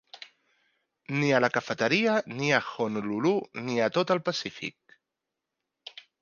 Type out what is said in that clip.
Ni a la cafeteria ni a Honolulu ni a tot el Pacífic.